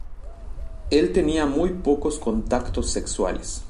Él tenía muy pocos contactos sexuales".